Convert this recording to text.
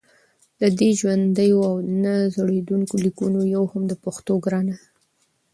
له دې ژوندیو او نه زړېدونکو لیکونو یوه هم د پښتو ګرانه ده